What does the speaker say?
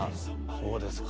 そうですか。